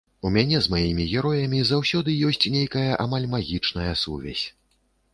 У мяне з маімі героямі заўсёды ёсць нейкая амаль магічная сувязь.